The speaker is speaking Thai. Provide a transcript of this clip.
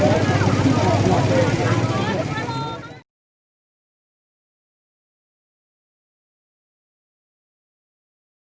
สวัสดีครับทุกคนวันนี้เกิดขึ้นทุกวันนี้นะครับ